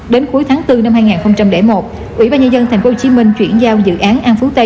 đến cuối tháng bốn năm hai nghìn một ủy ban nhân dân tp hcm chuyển giao dự án an phú tây